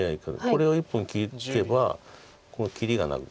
これを１本利けばこの切りがない。